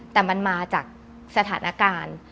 แต่มันมาจากสถานการณ์